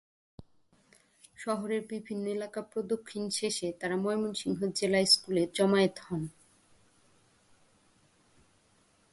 শহরের বিভিন্ন এলাকা প্রদক্ষিণ শেষে তারা ময়মনসিংহ জিলা স্কুলে জমায়েত হন।